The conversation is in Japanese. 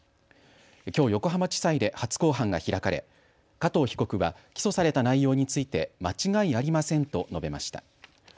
きょう横浜地裁で初公判が開かれ加藤被告は起訴された内容について間違いありませんと述べました。